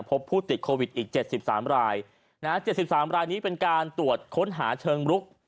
พบผู้ติดโควิดอีกเจ็ดสิบสามรายนะฮะเจ็ดสิบสามรายนี้เป็นการตรวจค้นหาเชิงลุก